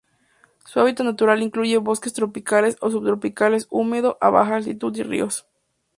Su hábitat natural incluye bosques tropicales o subtropicales húmedos a baja altitud y ríos.